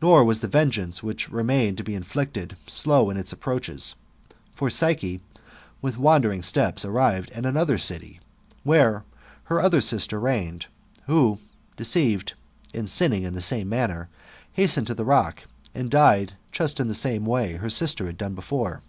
Nor was the vengeance which remained to be inflicted slow in its approaches : for Pysche with wandering steps arrived at another city, where her other sister reigned, who, deceived, and sinning in the same manner, hastened to the rock, and died just in the same way her sister had done before.